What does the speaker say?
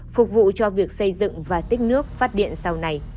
phục vụ cho việc xây dựng và tích nước phát điện sau này